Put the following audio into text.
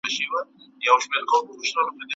موږ باید د مصنوعي ځیرکتیا څخه ښه استفاده وکړو